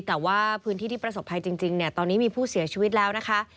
แต่ว่าพื้นที่ที่ประสบภัยจริงเนี่ยตอนนี้มีผู้เสียชีวิตแล้วนะคะ